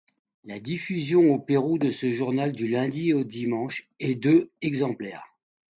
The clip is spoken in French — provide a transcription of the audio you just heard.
La diffusion au Pérou de ce journal du lundi au dimanche est de exemplaires.